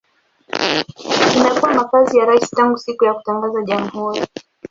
Imekuwa makazi ya rais tangu siku ya kutangaza jamhuri.